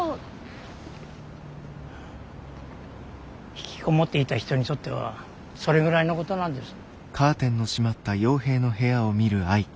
ひきこもっていた人にとってはそれぐらいのことなんです。